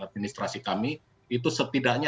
administrasi kami itu setidaknya